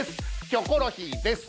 『キョコロヒー』です。